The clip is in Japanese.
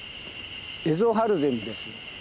エゾハルゼミです。